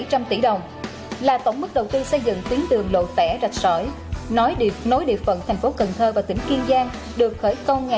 hãy đăng ký kênh để ủng hộ kênh của chúng mình nhé